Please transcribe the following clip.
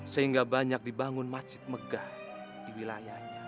sehingga banyak dibangun masjid megah di wilayahnya